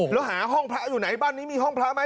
แล้วหาห้องพระอยู่ไหนบ้านนี้มีห้องพระไหม